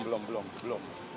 belum belum belum